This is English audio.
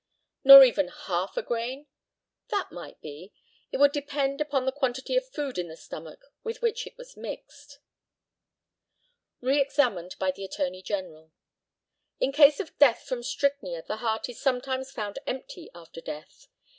Nor even half a grain? That might be. It would depend upon the quantity of food in the stomach with which it was mixed. Re examined by the ATTORNEY GENERAL: In case of death from strychnia the heart is sometimes found empty after death.